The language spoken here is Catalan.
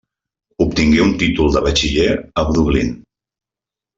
Obtingué un títol de batxiller a Dublín.